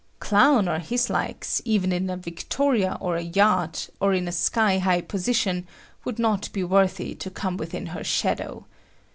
Clown or his likes, even in a Victoria or a yacht, or in a sky high position, would not be worthy to come within her shadow.